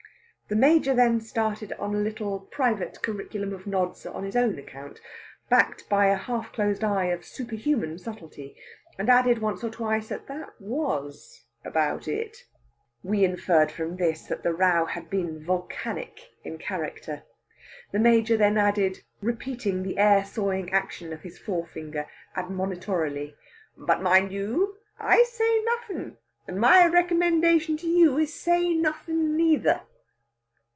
The Major then started on a little private curriculum of nods on his own account, backed by a half closed eye of superhuman subtlety, and added once or twice that that was about it. We inferred from this that the row had been volcanic in character. The Major then added, repeating the air sawing action of his forefinger admonitorily, "But mind you, I say nothin'. And my recommendation to you is to say nothin' neither."